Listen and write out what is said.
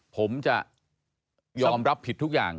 ผมจะยอมรับผิดทุกอย่าง